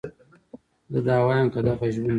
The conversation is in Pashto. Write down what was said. زه دا واييم که دغه ژوند وي